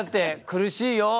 苦しいよ。